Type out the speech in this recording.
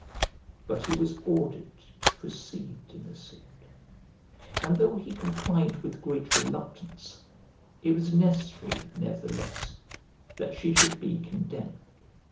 But he was ordered to proceed in the suit: and, though he complied with great reluctance, it was necessary, nevertheless, that she should be condemned.